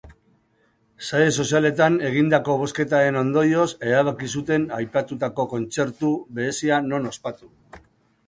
Sare sozialetan egindako bozketaren ondorioz erabaki zuten aipatutako kontzertu berezia non ospatu.